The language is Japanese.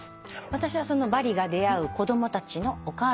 私はそのバリが出会う子供たちのお母さんの役。